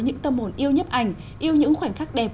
những tâm hồn yêu nhấp ảnh yêu những khoảnh khắc đẹp